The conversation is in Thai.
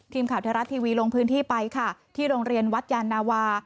ทีมข่าวไทยรัฐทีวีลงพื้นที่ไปค่ะที่โรงเรียนวัดยานาวา